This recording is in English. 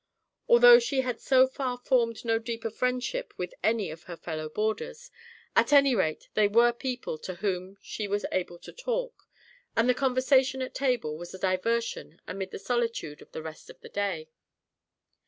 Although she had so far formed no deeper friendship with any of her fellow boarders, at any rate they were people to whom she was able to talk; and the conversation at table was a diversion amid the solitude of the rest of the day.